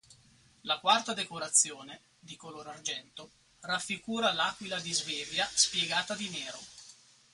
La quarta decorazione, di color argento, raffigura l'aquila di Svevia spiegata di nero.